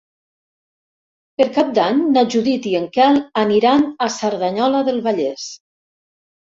Per Cap d'Any na Judit i en Quel aniran a Cerdanyola del Vallès.